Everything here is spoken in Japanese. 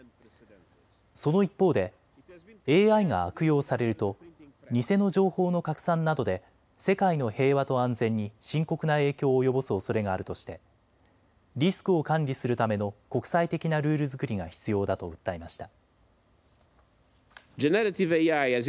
その一方でＡＩが悪用されると偽の情報の拡散などで世界の平和と安全に深刻な影響を及ぼすおそれがあるとしてリスクを管理するための国際的なルール作りが必要だと訴えました。